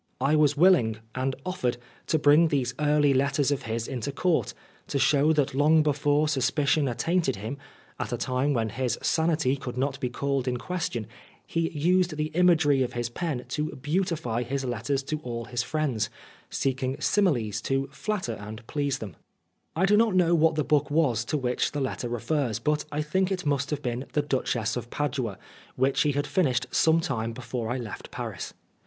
I was willing, and offered, ta bring these early letters of his into Court, to show that long before suspicion attainted him, at a time when his sanity could not be called in question, he used the imagery of his pen to beautify his letters to all his friends, seeking similes to flatter and please them. 34 Oscar Wilde I do not know what the book was to which the letter refers, but I think it must have been the Duchess of Padua, which he had finished some time before I left Paris.